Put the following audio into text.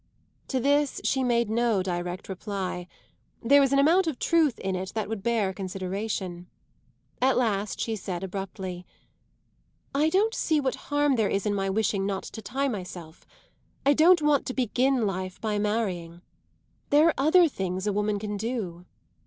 To this she made no direct reply; there was an amount of truth in it that would bear consideration. At last she said abruptly: "I don't see what harm there is in my wishing not to tie myself. I don't want to begin life by marrying. There are other things a woman can do."